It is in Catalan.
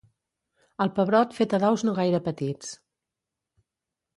el pebrot fet a daus no gaire petits